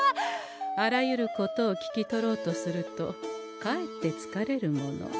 あらゆることを聞き取ろうとするとかえってつかれるもの。